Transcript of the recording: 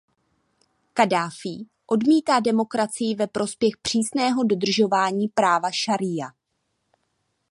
Kaddáfí odmítá demokracii ve prospěch přísného dodržování práva šaría.